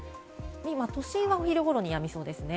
都心はお昼頃にやみそうですね。